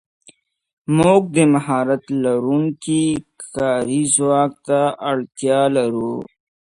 موږ د مهارت لرونکي کاري ځواک ته اړتیا لرو.